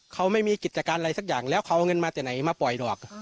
เขาไม่มีกิจการอะไรสักอย่างแล้วเขาเอาเงินมาแต่ไหนมาปล่อยดอก